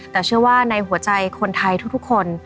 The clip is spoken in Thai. แต่เชื่อว่าในหัวใจคนไทยทุกคน